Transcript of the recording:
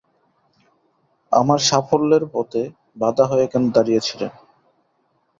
আমার সাফল্যের পথে বাধা হয়ে কেন দাঁড়িয়েছিলেন?